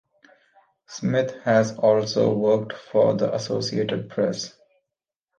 Smith has also worked for the Associated Press.